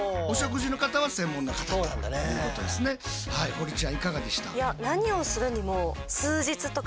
堀ちゃんいかがでした？